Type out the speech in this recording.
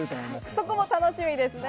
そこも楽しみですね。